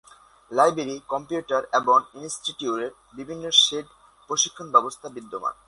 Library, computer এবং ইন্সটিটিউটের বিভিন্ন শেড এ প্রশিক্ষণ ব্যবস্থা বিদ্যমান।